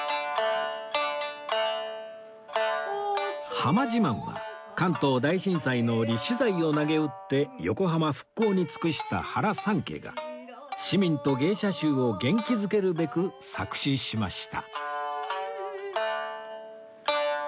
『濱自慢』は関東大震災の折私財を投げ売って横浜復興に尽くした原三渓が市民と芸者衆を元気づけるべく作詞しました